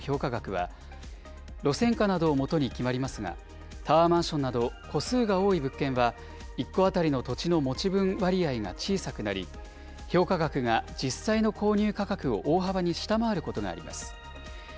相続税や贈与税を算定する根拠となるマンションの評価額は、路線価などを基に決まりますが、タワーマンションなど戸数が多い物件は１戸当たりの土地の持ち分割合が小さくなり、評価額が実際の購入価格を大幅に下回ることがあります。